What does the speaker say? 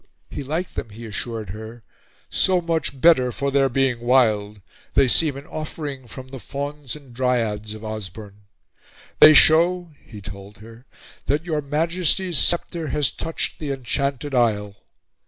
He liked them, he assured her, "so much better for their being wild; they seem an offering from the Fauns and Dryads of Osborne." "They show," he told her, "that your Majesty's sceptre has touched the enchanted Isle."